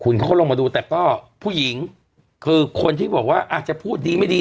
คุณเขาก็ลงมาดูแต่ก็ผู้หญิงคือคนที่บอกว่าอาจจะพูดดีไม่ดี